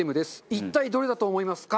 一体どれだと思いますか？